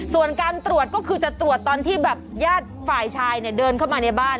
ส่วนการตรวจก็คือจะตรวจตอนที่แบบญาติฝ่ายชายเนี่ยเดินเข้ามาในบ้าน